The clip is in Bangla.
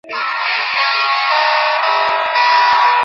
পর্যায় সারণীতে এটি প্লাটিনাম দলের অন্তর্গত।